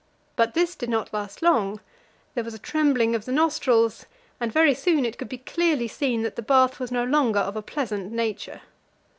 But this did not last long; there was a trembling of the nostrils, and very soon it could clearly be seen that the bath was no longer of a pleasant nature.